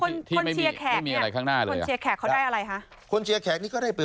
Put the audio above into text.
แล้วคนเชียร์แขกเนี่ยเขาได้อะไรคะ